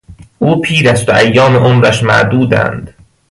او پیر است و ایام عمرش معدودند.